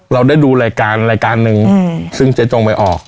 เราได้ดูรายการรายการหนึ่งซึ่งเจ๊จงไปออก